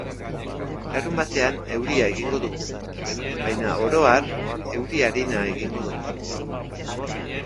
Larunbatean euria egingo du, baina oro har, euri arina egingo du.